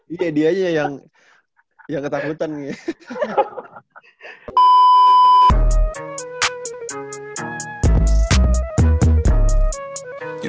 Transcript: iya dia nya yang ketakutan